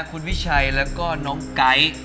คุณวิชัยแล้วก็น้องไก๊